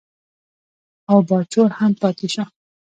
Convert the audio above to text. او باجوړ هم پاتې شو.